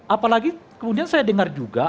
apalagi kemudian saya dengar juga